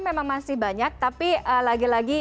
memang masih banyak tapi lagi lagi